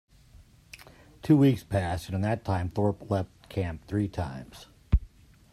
Two weeks passed, and in that time Thorpe left camp three times.